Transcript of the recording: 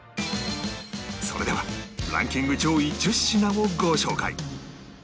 それではランキング上位１０品をご紹介